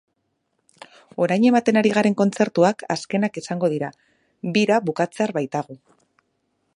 Orain ematen ari garen kontzertuak azkenak izango dira, bira bukatzear baitago.